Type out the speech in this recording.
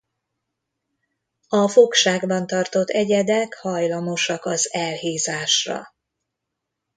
A fogságban tartott egyedek hajlamosak az elhízásra.